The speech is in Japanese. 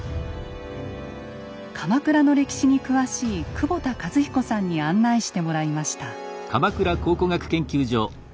鎌倉の歴史に詳しい久保田和彦さんに案内してもらいました。